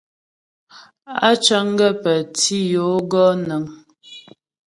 Á cəŋ gaə́ pə́ tǐ yo gɔ nəŋ.